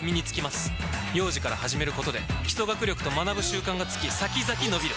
幼児から始めることで基礎学力と学ぶ習慣がつき先々のびる！